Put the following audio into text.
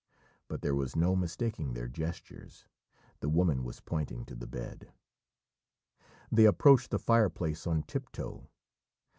But there was no mistaking their gestures. The woman was pointing to the bed. They approached the fireplace on tiptoe.